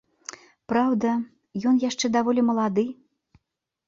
Праўда, ён яшчэ даволі малады.